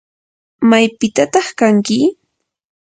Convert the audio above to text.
¿maypitataq kanki?